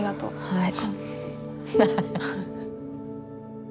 はい。